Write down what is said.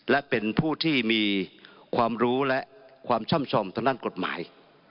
และเป็นผู้ที่มีความรู้และความช่ำชอมทางด้านกฎหมาย